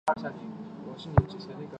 一般作为药用。